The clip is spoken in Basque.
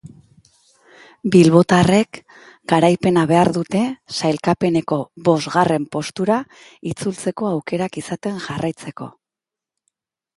Bilbotarrek garaipena behar dute sailkapeneko bosgarren postura itzultzeko aukerak izaten jarraitzeko.